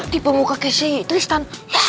tipe muka kayak si tristan